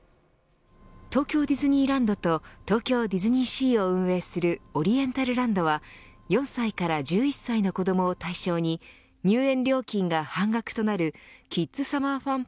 東京ディズニーランドと東京ディズニーシーを運営するオリエンタルランドは４歳から１１歳の子どもを対象に入園料金が半額となるキッズサマーファン！